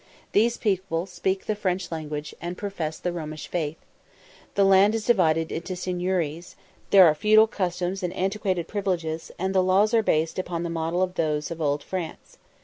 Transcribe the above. These people speak the French language, and profess the Romish faith. The land is divided into seigneuries; there are feudal customs and antiquated privileges, and the laws are based upon the model of those of old France.